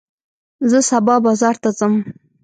زه سبا بازار ته ځم.